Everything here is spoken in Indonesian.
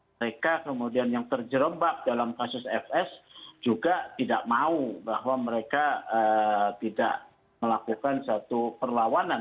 mereka kemudian yang terjerebak dalam kasus fs juga tidak mau bahwa mereka tidak melakukan satu perlawanan